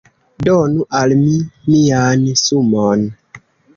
Donu al mi mian sumon!